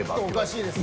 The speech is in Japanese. おかしい。